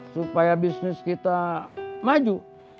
supaya bisnis kita maju